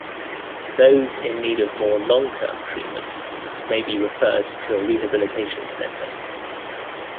Those in need of more long-term treatment may be referred to a rehabilitation center.